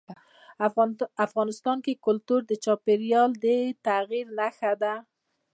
افغانستان کې کلتور د چاپېریال د تغیر نښه ده.